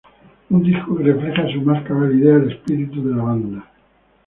Un disco que refleja en su más cabal idea el espíritu de la banda.